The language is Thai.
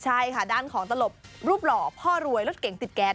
ใช่ค่ะด้านของตลกรูปหล่อพ่อรวยรถเก่งติดแก๊ส